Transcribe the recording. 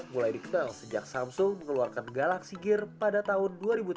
mulai dikenal sejak samsung mengeluarkan galaxy gear pada tahun dua ribu tiga belas